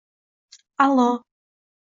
— Allo.